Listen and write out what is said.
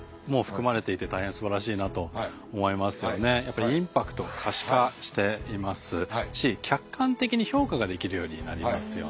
あのやはりやっぱりインパクトを可視化していますし客観的に評価ができるようになりますよね。